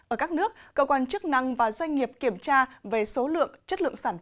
ở các nước cơ quan chức năng và doanh nghiệp kiểm tra về số lượng chất lượng sản phẩm và năng lượng sản phẩm